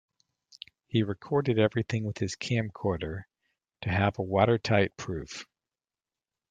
He recorded everything with his camcorder to have a watertight proof.